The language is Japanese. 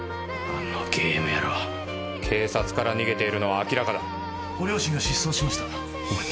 あのゲーム野郎警察から逃げているのは明らかだご両親が失踪しましたお前